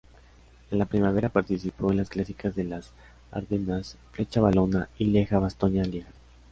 En la primavera participó en las Clásicas de las Ardenas: Flecha Valona y Lieja-Bastoña-Lieja.